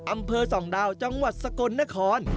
อำเภอส่องดาวจังหวัดสกลนคร